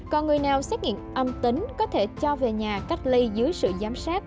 còn người nào xét nghiệm âm tính có thể cho về nhà cách ly dưới sự giám sát